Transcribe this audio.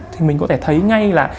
thì mình có thể thấy ngay là